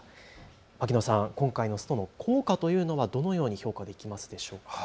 牧野さん、今回のストの効果というのはどのように評価できますでしょうか。